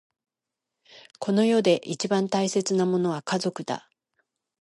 この世で一番大切なものは家族だ。